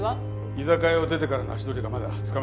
居酒屋を出てからの足取りがまだつかめてません。